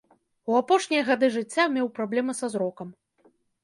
У апошнія гады жыцця меў праблемы са зрокам.